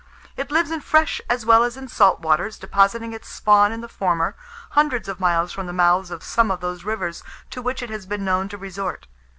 It lives in fresh as well as in salt waters, depositing its spawn in the former, hundreds of miles from the mouths of some of those rivers to which it has been known to resort.